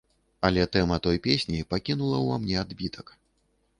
Але тэма той песні пакінула ўва мне адбітак.